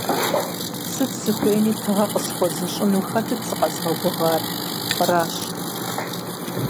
Сыт сыхуейми тыгъэ къысхуэзыщӀыну хэтыт сыкъэзыгъэгугъар? Уэращ!